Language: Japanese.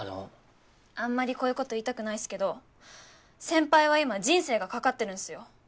あんまりこういうこと言いたくないっすけど先輩は今人生が懸かってるんすよ。